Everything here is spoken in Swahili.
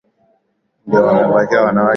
ndio wamembabikia mwanawe dawa hizo